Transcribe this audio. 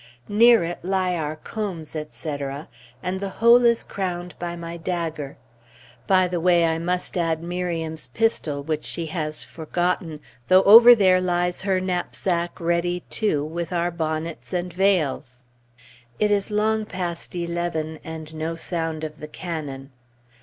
near it lie our combs, etc., and the whole is crowned by my dagger; by the way, I must add Miriam's pistol which she has forgotten, though over there lies her knapsack ready, too, with our bonnets and veils. It is long past eleven, and no sound of the cannon.